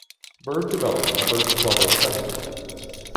Byrd developed the first bubble sextant.